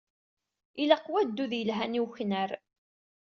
Ilaq waddud yelhan i weknar.